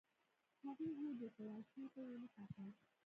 هغې هوډ وکړ او شا ته یې ونه کتل.